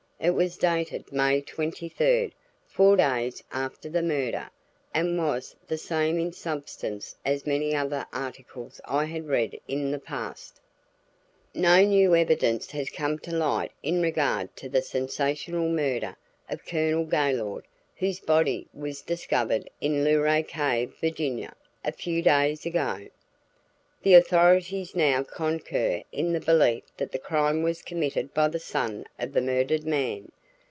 It was dated May twenty third four days after the murder and was the same in substance as many other articles I had read in the past week. "No new evidence has come to light in regard to the sensational murder of Colonel Gaylord whose body was discovered in Luray Cave, Virginia, a few days ago. The authorities now concur in the belief that the crime was committed by the son of the murdered man.